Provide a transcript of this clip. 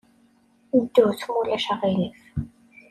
Ddut, ma ulac aɣilif.